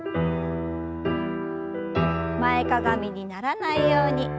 前かがみにならないように気を付けて。